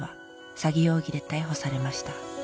「詐欺容疑で逮捕されました」